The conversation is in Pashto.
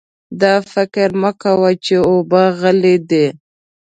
دا فکر مه کوه چې اوبه غلې دي.